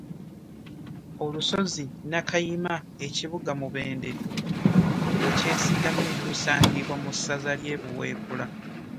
Olusozi Nakayima ekibuga Mubende kwe kyesigamye lusangibwa mu ssaza ly’e Buweekula.